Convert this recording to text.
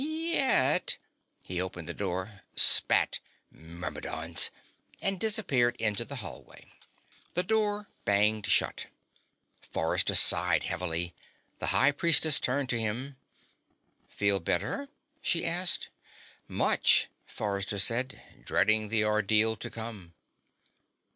Yet ..." He opened the door, spat: "Myrmidons!" and disappeared into the hallway. The door banged shut. Forrester sighed heavily. The High Priestess turned to him. "Feel better?" she asked. "Much," Forrester said, dreading the ordeal to come.